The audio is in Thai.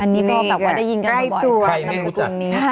อันนี้ก็แบบว่าได้ยินกันมาบ่อย